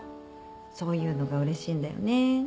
そういうのがうれしいんだよね。